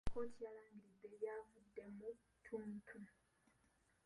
kkooti yalangiridde ebyavuddemu mu ttuntu.